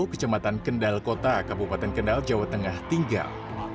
kecamatan kendal kota kabupaten kendal jawa tengah tinggal